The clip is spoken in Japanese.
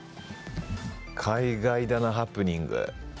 海外だなハプニング。